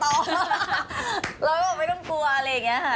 เราก็บอกไม่ต้องกลัวอะไรอย่างนี้ค่ะ